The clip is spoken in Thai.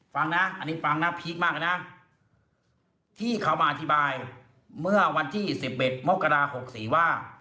ฟังนะอันหลีบก็พี่มากนะที่เขามาอธิบายเมื่อวันที่๒๑วันกราตรา๖๔ว่า